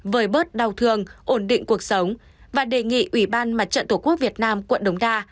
với bớt đau thương ổn định cuộc sống và đề nghị ubnd mặt trận tổ quốc việt nam quận đồng đa